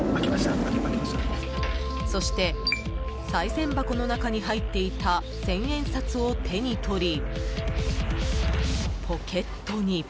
そして、さい銭箱の中に入っていた千円札を手に取り、ポケットに。